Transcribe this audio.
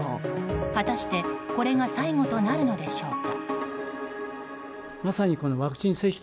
果たしてこれが最後となるのでしょうか。